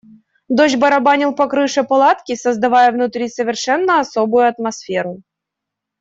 Дождь барабанил по крыше палатки, создавая внутри совершенно особую атмосферу.